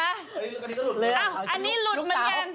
เอ้าอันนี้หลุดเหมือนกันคุณเหรอลูกสาว